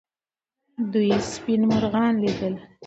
دوی سپین مرغان لیدل.